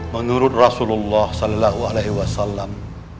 menurut rasulullah sallallahu alaihi wasallam